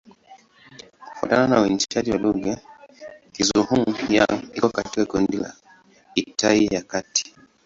Kufuatana na uainishaji wa lugha, Kizhuang-Yang iko katika kundi la Kitai ya Kati.